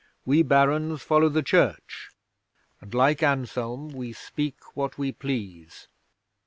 We Barons follow the Church, and, like Anselm, we speak what we please.